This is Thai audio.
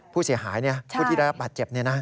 ผู้เสียหายเนี่ยผู้ที่และสหัตรเจ็บเนี่ยนะ